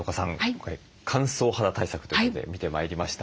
今回乾燥肌対策ということで見てまいりました。